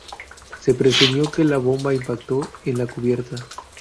Se presumió que la bomba impactó en la cubierta.